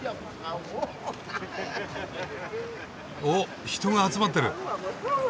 お人が集まってる。